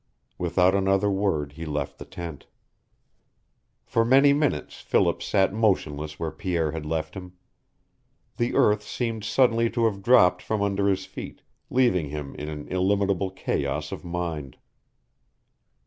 Without another word he left the tent. For many minutes Philip sat motionless where Pierre had left him. The earth seemed suddenly to have dropped from under his feet, leaving him in an illimitable chaos of mind.